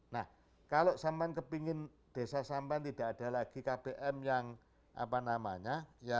nah kalau sampan kepingin desa sampan tidak ada lagi kpm yang apa namanya